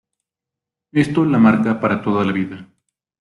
Esto la marca para toda la vida.